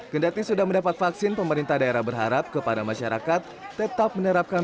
kendati sudah mendapat vaksin pemerintah daerah berharap kepada masyarakat tetap menerapkan